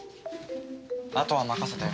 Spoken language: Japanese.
あとは任せたよ。